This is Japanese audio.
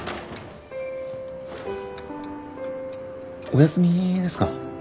お休みですか？